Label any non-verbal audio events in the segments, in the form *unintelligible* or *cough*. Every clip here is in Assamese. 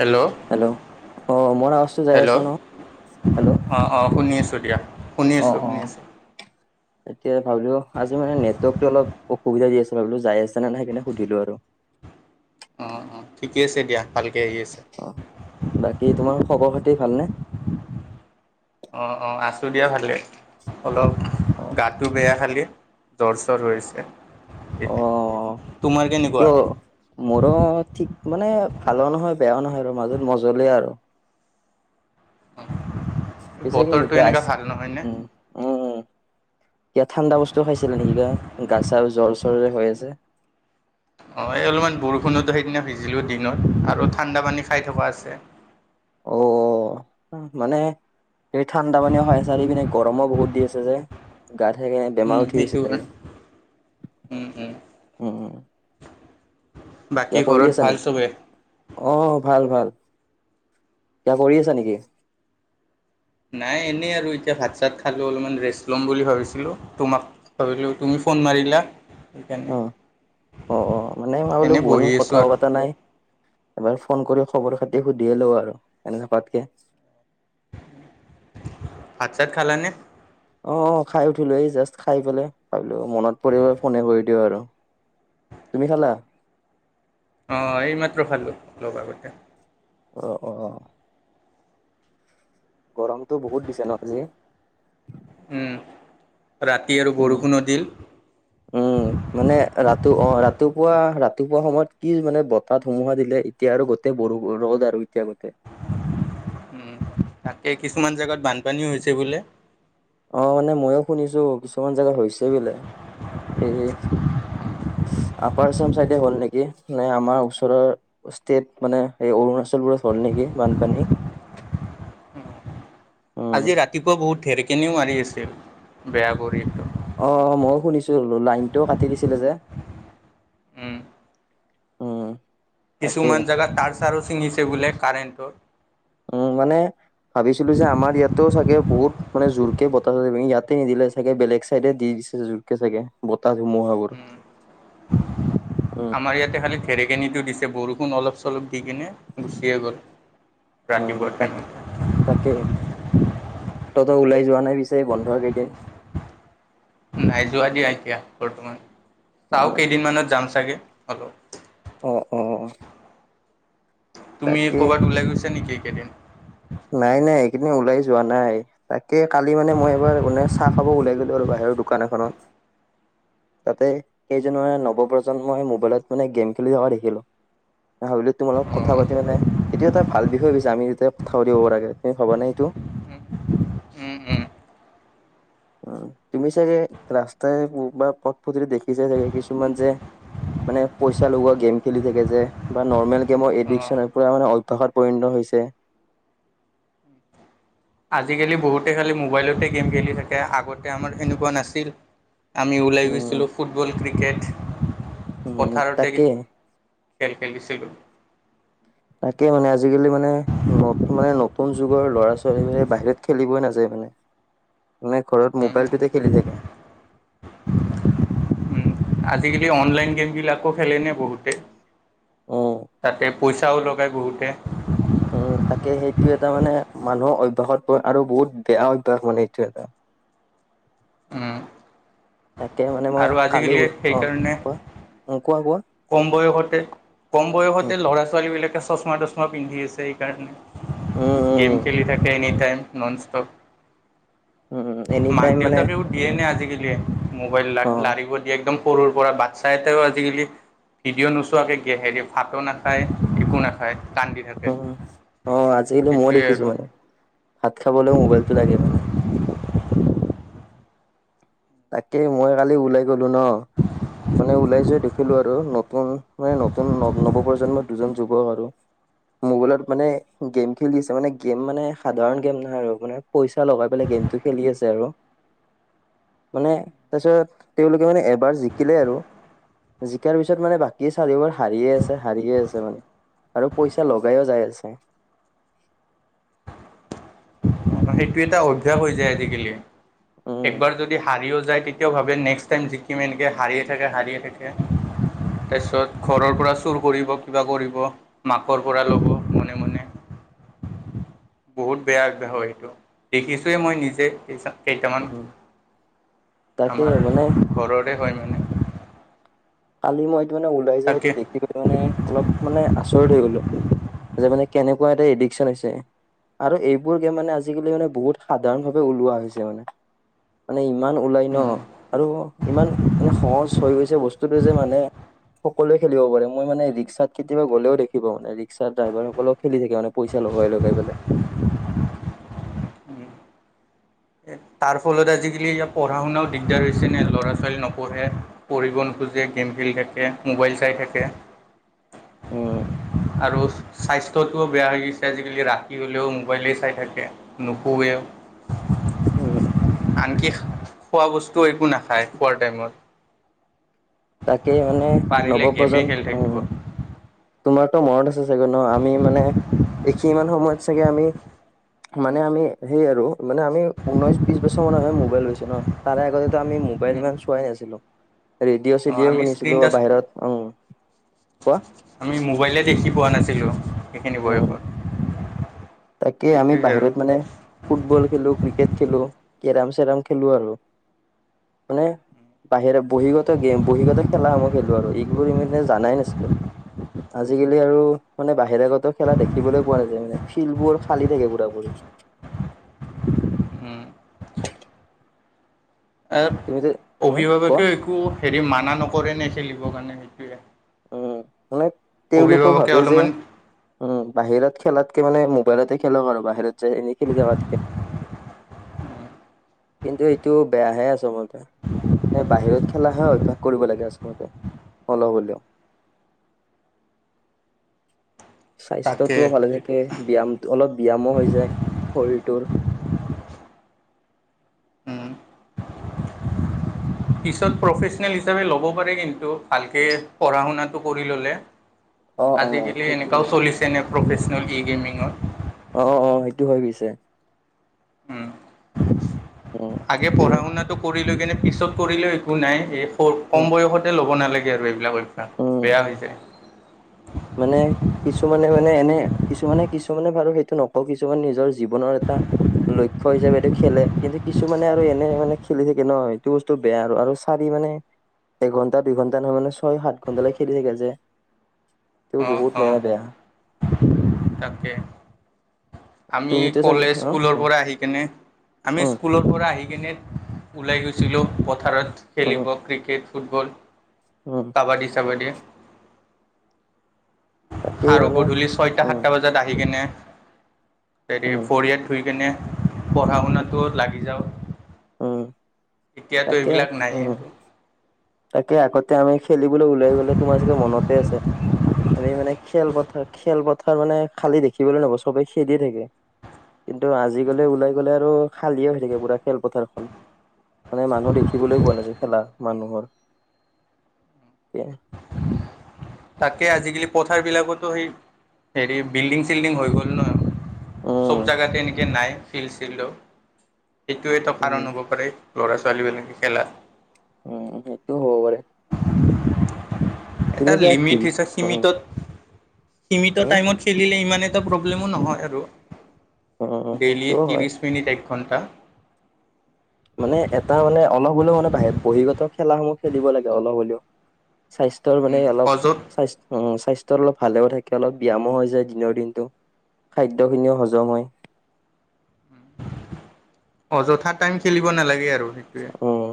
হেল্ল' হেল্ল' আহ মোৰ আৱাজটো যাই আছ ন হেল্ল' অ অ শুনি আছোঁ দিয়া শুনি অ আছোঁ অ শুনি আছোঁ। এতিয়া ভাবিলো আজি মানে নেটৱৰ্কতটো অলপ অসুবিধা দি আছে ভাবিলো যাই আছে নে ন সেই কেনে সুধিলো আৰু *inaudible* অ অ ঠিকে আছে দিয়া ভালকে আহি আছে। অ বাকী তোমাৰ খবৰ খাতি ভালনে? অ অ আছো দিয়া ভালকে। অলপ গাটো বেয়া খালি জ্বৰ চৰ হৈ আছে। অ কিয় মোৰ ঠিক মানে ভালো নহয় বেয়াও নহয় আৰু মাজত মজলে আৰু পিছে কি বতৰটো এতিয়া আইচ এনেকুৱা ভাল নহয়নে উম উম এযাত ঠাণ্ডা বস্তু খাইছিলে নেকি কা গাছা জ্বৰ চ্বৰৰে হৈ আছে অ এই অলপমান বৰষুণতো সেইদিনা সিজিলোঁ দিনত আৰু ঠাণ্ডা পানী খাই থকা আছে অ অ মানে এই ঠাণ্ডা পানী সহায় চাৰি পিনে গৰমো বহুত দি আছে যে, গাত সেকেনে বেমাৰো উঠি সেইটো গৈছে চাগে হয়। উম উম বাকী কিবা কৰি ঘৰত আছা ভাল নিকি চবে অ ভাল ভাল কিবা কৰি আছা নিকি? নাই এনেই আৰু এতিয়া ভাত চাত খালো অলপমান ৰেষ্ট লম বুলি ভাবিছিলো তোমাক ভাবিলোঁ তুমি ফন মাৰিলা সেইকাৰণে উম অ অ মানে ভাবিলোঁ এনেই বহুত বহি দিন কথা আছোঁ আৰু পাতা নাই এবাৰ ফ ফন কৰি খবৰ খাতি সুধিয়ে লও আৰু এনে থকাতকে ভাত চাত খালা নে? অ খাই উঠিলো এই জাষ্ট খাই পেলাই ভাবিলো মনত পৰিলে ফনে কৰি দিও আৰু তুমি খালা? অ এইমাত্ৰ খালো অলপ আগতে, অ অঁ গৰমটো বহুত দিছে ন আজি উম ৰাতি আৰু উম বৰষুণো দিল উম মানে ৰাতি অ ৰাতি পুৱা ৰাতিপুৱা সময়ত কি মানে বতাহ ধুমুহা দিলে এতিয়া আৰু গোতেই বৰ ৰ'দ আৰু এতিয়া গোটেই। উম তাকে কিছুমান জেগাত বানপানীও হৈছে বোলে অ মানে ময়ো শুনিছো কিছুমান জেগাত হৈছে বোলে এই *unintelligible* আপাৰ আচাম চাইডে হ'ল নিকি নে আমাৰ ওচৰৰ ষ্টেট মানে এই অৰুণাচলবোৰত হ'ল নিকি বানপানী উম আজি ৰাতিপুৱা বহুত ঢেৰকিনিও মাৰি আছিল বেয়া কৰিটো অ মইও শুনিছো লাইনটোও কাটি দিছিলে যে উম উম তাকে কিছুমান জাগাত তাৰ চাৰো ছিঙিছে বোলে কাৰেণ্টৰ। উম মানে ভাবিছিলো যে আমাৰ ইয়াতো চাগে বহুত মানে জোৰকে বতাহ ইয়াতে নিদিলে চাগে, বেলেগ চাইডে দি দিছে জোৰকে চাগে, বতাহ ধুমুহাবোৰ উম, উম আমাৰ ইয়াতে খালি ধেৰেকনিটো দিছে, বৰষুণ অলপ-চলপ উঠি কিনে গুচিয়ে গ'ল, উম ৰাতিপুৱাতে তাক তাকে কতো ওলাই যোৱা নাই পিছে, বন্ধৰ কেইদিন। নাই যোৱা দিয়া এতিয়া বৰ্তমান চাওঁ উম কেইদিনমানত যাম চাগে অলপ অ অ তুমি তাকে ক'বাত ওলাই গৈছা নিকি একেইদিন নাই নাই এ মই ওলাই যোৱা নাই তাকে কালি মানে মই এবাৰ মানে চাহ খাব ওলাই গলো আৰু বাহিৰৰ দোকান এখনত *inaudible* তাতে কেইজনমানে নৱপ্ৰজন্মই মোবাইলত মানে গেম খেলি থকা দেখিলোঁ মই ভাবিলো তোমাৰ লগত অ কথা পাতি মানে এইটো এটা ভাল বিষয় হৈ গৈছে আমি যেতিয়া কথা পাতিব পৰাকে শেষ হবা নে এইটো উম উম তুমি চাগে ৰাস্তাই বা পথ পদুলিত দেখিছা চাগে কিছুমান যে মানে পইচা লগোৱা গেম খেলি থাকে যে বা নৰ্মেল গেমৰ অ এডিক্সন মানে অভ্যাসত পৰিণত হৈ হৈছে আজিকালি বহুতে খালি মোবাইলতে গেম খেলি থাকে আগতে আমাৰ এনেকুৱা নাছিল আমি ওলাই উম গৈছিলোঁ ফুটবল ক্ৰিকেট উম পথাৰতে তাকে খেল খেলিছিলো তাকে মানে আজিকালি মানে নত মানে নতুন যুগৰ ল'ৰা ছোৱালীবোৰে বাহিৰত খেলিবই নাযায় মানে মানে ঘৰত উম, মোবাইলটো তে খেলি থাকে। এই অনলাইন গেমবিলাকো খেলেনে, বহুতকে উম, তাতে পইচাও লগাই বহুতে অ তাকে সেইটো এটা মানে মানুহৰ অভ্যাসত পৰে, আৰু বহুত বেয়া অভ্যাস মানে এইটো এটা। উম তাকে মানে মই আৰু কালি আজিকালি অ', সেইকাৰণে কোৱা উম, কোৱা কোৱা কম বয়সতে, কম উম, বয়সতে ল'ৰা-ছোৱালী বিলাক চচমা-তচমা পিন্ধি আছে উম, সেইকাৰণে, গেম উম। খেলি থাকে এনি টাইম নন ষ্টপ। উম, উম এনি মাক টাইম মানে দেউতাকেও দিয়ে উম, নে আজিকালি মোবাইল লাগ অ', একদম সৰুৰ পৰা, বাচ্ছা এটাও আজিকালি ভিডিঅ' নোচোৱাকে হেৰি ভাতো নাখায়, একো নাখায উম অ, আজিকালি মই সেইটোৱে দেখিছো আৰু মানে ভাত খাবলৈও মবাইলটো লাগে মানে। তাকে মই কালি ওলাই গলো ন, মানে ওলাই যাই দেখিলো আৰু নতুন মানে নতুন ন নৱপ্ৰজন্মৰ দুজন যুৱক আৰু মোবাইলত মানে গেম খেলি দি আছে, মানে গেম মানে সাধাৰণ গেম নহয় আৰু মানে পইচা লগাই পেলাই গেমটো খেলি আছে আৰু মানে তাৰপিছত, তেওঁলোকে মানে এবাৰ জিকিলে আৰু জিকাৰ পিছত মানে বাকী চাৰিওবাৰ হাৰিয়ে আছে, হাৰিয়ে আছে মানে। আৰু পইচা লগাইয়ো যাই আছে। সেইটো এটা অভ্যাস হৈ যায় আজিকালি, উম একবাৰ যদি হাৰি গৈছে যায়, তেতিয়াও ভাবে নেক্সট টাইম জিকিমে নেকি, এনেকে হাৰিয়ে থাকে, হাৰিয়ে থাকে। তাৰপিছত ঘৰৰ পৰা চুৰ কৰিব, কিবা কৰিব, মাকৰ পৰা ল'ব মনে-মনে *unintelligible* বহুত বেয়া অভ্যাস হয় এইটো, দেখিছোৱেই মই নিজে কেইটামান। উম তাকে আমাৰ মানে ঘৰৰে হয় মানে কালি মই এইটো মানে ওলাই যাই এইটো তাকে দেখি পেলো মানে অলপ মানে আচৰিত হৈ গলো *unintelligible* যে মানে কেনেকুৱা এটা এডিকশচন হৈছে আৰু এইবোৰ গে মানে আজিকালি মানে বহুত সাধাৰণ ভাৱে ওলোৱা হৈছে মানে মানে ইমান ওলাই ন উম আৰু ইমান মানে সহজ হৈ গৈছে বস্তু যে মানে সকলোৱে খেলিব পাৰে, মই মানে ৰিক্সাত কেতিয়াবা গ'লেও দেখিব মানে ৰিক্সা ড্ৰাইভাৰ সকলেও খেলি থাকে মানে, পইচা লগাই-লগাই পেলাই। উম। তাৰ ফলত আজিকালি ইয়াত পঢ়া-শুনাও দিগদাৰ হৈছে নে, ল'ৰা-ছোৱালী নপঢ়ে, পঢ়িব নোখো যে গেম খেলি থাকে, মোবাইল চাই থাকে। উম আৰু স্বাস্থ্যটোও বেয়া হৈ গৈছে, আজিকালি ৰাতি হ'লেও মোবাইলেই চাই থাকে, নোশোৱে। উম আনকি খোৱা বস্তু একো নাখায়, খোৱাৰ টাইমত তাকেই মানে পাৰিলে গেমেই খেলি নৱপ্ৰজন্ম, থাকিব উম তোমাৰতো মনত আছে চাগে ন, আমি মানে সিমান সময়ত চাগে আমি, মানে আমি সেই আৰু মানে আমি ঊনৈশ, বিশ বছৰ মানৰ হে মোবাইল লৈছো ন, তাৰে আগতে আমি মোবাইল ইমান চোৱাই নাছিলো। ৰেডিঅ'-চেডিঅ' আমি শুনিছিলো স্ক্ৰীন টাচ বাহিৰত, উম' কোৱা আমি মোবাইলে দেখি পোৱা নাছিলোঁ, সেইখিনি উম বয়সত। তাকে আমি সেইটোৱে আৰু বাহিৰত মানে ফুটবল খেলোঁ, ক্ৰিকেট খেলোঁ, কেৰম কেৰম খেলোঁ আৰু, মানে বাহিৰে বহ্নিগত গেম, বহ্নিগত খেলাসমূহ খেলো আৰু এইবোৰ মানে জানাই নাছিলো, আজিকালি আৰু মানে বাহিৰাগত খেলা দেখিবলৈ পোৱা নাযায় মানে। শিলবোৰ খালী থাকে পুৰা পুৰি উম, এ তুমিতো উম কোৱা অভিভাৱকে একো হেৰি মানা নকৰে নে খেলিবৰ কাৰণে সেইটোৱে উম মানে তেওঁলোকও অভিভাৱকে ভাবে যে অলপমান উম বাহিৰত খেলাতকে মানে মোবাইলতে খেলক আৰু বাহিৰত যায় এনেই খেলি যাবাতকে কিন্তু এইটো বেয়াহে আচলতে এ বাহিৰত খেলাহে অভ্যাস কৰিব লাগে আচলতে অলপ হলেও *inaudible* তাকে স্বাস্থ্যতটোও ভালে থাকে ব্যায়াম অলপ ব্যায়ামো হৈ যায় শৰীৰটোৰ উম পিছত প্ৰফেচনেল হিচাপে ল'ব পাৰে কিন্তু ভালকে পঢ়া শুনাটো কৰি ললে অ অ আজিকালি সেইটোৱে। এনেকাও চলিছে নে প্ৰফেচনেল ই গেমিঙত অ অ সেইটো হৈ গৈছে উ উম আগে পঢ়া শুনাটো কৰি লৈ কেনে পিছত কৰিলেও একো নাই এই উম কম বয়সতে ল'ব নালাগে আৰু অভ্যাস উম বেয়া হৈছে *unintelligible* মানে কিছুমানে মানে এনে কিছুমানে কিছুমানে বাৰু সেইটো নকওঁ কিছুমানে নিজৰ জীৱনৰ এটা লক্ষ্য হৈছে এইটো খেলে কিন্তু কিছু মানে আৰু এনে মানে খেলি থাকে ন এইটো বস্তু বেয়া আৰু আৰু চাৰি মানে এঘন্টা দুইঘণ্টা নহয় মানে ছয় সাত ঘণ্টা লৈ খেলি থেছে তেওঁ অ বহুত অ মনে বেয়া তাকে আমি তুমিতো চাগে কলেজ অ স্কুলৰ অ পৰা আহি কেনে আমি উম স্কুলৰ পৰা আহি কিনে ওলাই গৈছিলোঁ পথাৰত উম খেলিব ক্ৰিকেট ফুটবল উম কাবাডি চাবাডী তাকেই আৰু মানে গধূলি ছয়টা উম সাতটা বজাত আহি কেনে হেৰি উম ফৰিয়াত ধুই কেনে পঢ়া শুনাটো লাগি যাওঁ উম এতিয়াতো তাকে এইবিলাক উ নাইয়ে আৰু তাকে আগতে আমি খেলিবলৈ ওলাই গ'লে তোমাৰ চাগে মনতে আছে। আমি মানে খেলপথাৰ খেলপথাৰ মানে খালী দেখিবলৈ নাপাওঁ চবে খেলিয়ে থাকে। কিন্তু আজি গলে ওলাই গলে আৰু খালীয়ে হৈ থাকে পুৰা খেলপথাৰখন। মানে মানুহ দেখিবলৈ পোৱা নাই যে খেলা মানুহৰ। ক *inaudible* তাকে আজিকালি পথাৰ বিলাকতো সেই হেৰি বিল্ডিং চিল্ডিং হৈ গ'ল ন- *unintelligible* উম চব জেগাতে এনেকে নাই ফিল চো সেইটো এটো উম কাৰণ হ'ব পাৰে। ল'ৰা ছোৱালী এনেকৈ খেলা। উম সেইটো হ'ব পাৰে। এটা তুমি কিয় লিমিট টিভি হৈছে উম সীমিতত সীমিত উম টাইমত খেলিলে ইমানে- *unintelligible* একো প্ৰব্লেম নহয় আৰু উম দেলি সেইটোও হয় তিৰীচ মিলিট ঘণ্টা মানে এটা মানে অলপ হলেও মানে ব বহিগত খেলাস সমূহ খেলিব লাগে অলপ হ'লেও- স্বাস্থ্যৰ মানে অলপ অযত স্বাস্থ। স্বাস্থ্যৰ অলপ ভালেও থাকে অলপ ব্যায়ামো হৈ যায় দিনৰ দিনটো খাদ্যখিনিও হজম হয়! *unintelligible* *inaudible* অযথা টাইম খেলিব নালাগে আৰু- সেইটোৱে উম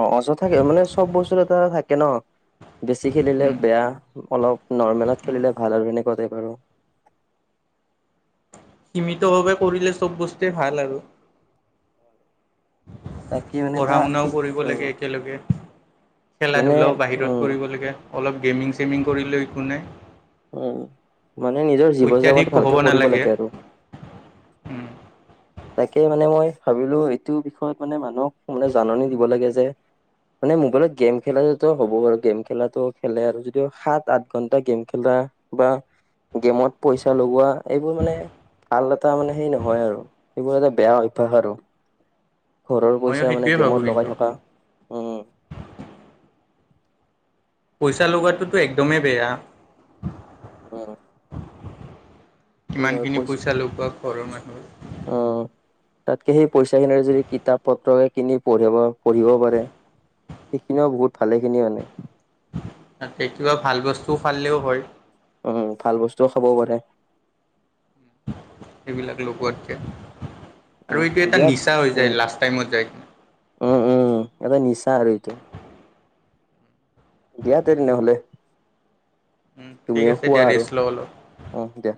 অ অযথাাকে মানে চব বস্তু এটা থাকে ন- বেছি খেলিলে বেয়া অলপ নৰ্মেলত খেলিলে ভাল আৰু সেনেকুৱা- বাৰু সীমিতভাৱে কৰিলে চব বস্তুৱেই ভাল আৰু- তাকে মানে পঢ়া এটা শুনাও কৰিব উম লাগে একেলগে। খেলা মানে ধূলাও বাহিৰত উম কৰিবলগে অলপ গেমিং চেমিং কৰিলেও একো নাই। উ মানে নিজৰ জীৱন অত্যাধিক জাপন হ'ব ভালকে কৰিব নালাগে লাগে আৰু- তাকে মানে মই ভাবিলো এইটো বিষয়ত মানে মানুহক মানে জাননী দিব লাগে। যে মানে মোবাইলত গেম খেলা হ'ব বাৰু গেম খেলাটো খেলে আৰু যদিও সাত আঠ ঘণ্টা গেম খেলা। বা গেমত পইচা লগোৱা এইবোৰ মানে ভাল এটা মানে সেই নহয় আৰু- সেইবোৰ এটা বেয়া অভ্যাস আৰু। ঘৰৰ ময়ো পইচা মানে সেইটোৱে ভাবোঁ গেমত লগাই কিন্তু থকা, উম। পইচা লগোৱাটোতো একদমেই বেয়া। আহ- ইমানখিনি পইচা লগোৱা ঘৰৰ মানুহে- উম তাতকে সেই পইচা খিনিৰে যদি কিতাপ পত্ৰকে কিনি পঢ়িব পঢ়িব পাৰে। সেইখিনিও বহুত ভালে খিনি মানে- তাতে কিবা ভাল বস্তুও ফালিলেও হয়- উম ভাল বস্তুও খাবও পাৰে। সেইবিলাক উম লগোৱাতকে। উম আৰু এইটো এটা দিয়াত নিচা হৈ যায় লাষ্ট টাইমত যায়। উম্ উম। চাৰিটো- দিয়া তে তেনেহলে। ঠিক তুমিও আছে খোৱা দিয়া আৰু ৰেষ্ট লওঁ অলপ। আহ দিয়া।